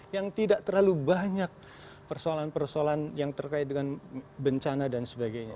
yang tidak terlalu banyak persoalan persoalan yang terkait dengan bencana dan sebagainya